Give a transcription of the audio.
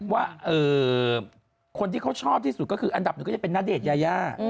ว่าคนที่เขาชอบที่สุดก็คืออันดับหนึ่งก็จะเป็นณเดชน์ยายา